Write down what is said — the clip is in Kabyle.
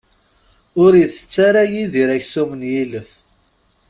Ur itett ara Yidir aksum n yilef.